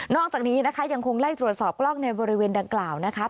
อกจากนี้นะคะยังคงไล่ตรวจสอบกล้องในบริเวณดังกล่าวนะคะ